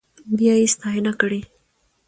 بيا يې ستاينه کړې.